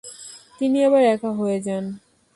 তিনি আবার একা হয়ে যান।